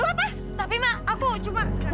kemana sih tuh anak